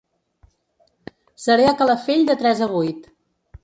Seré a Calafell de tres a vuit.